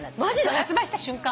発売した瞬間はね。